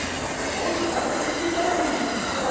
もうちょい食べて行けたらいいのか。